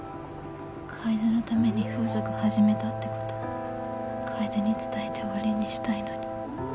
楓のために風俗始めたってこと楓に伝えて終わりにしたいのに。